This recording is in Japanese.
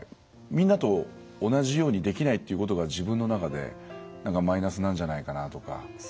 みんなと同じようにできないっていうことが自分の中でマイナスなんじゃないかなとか。